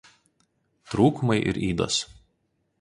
Trūkumai ir ydos.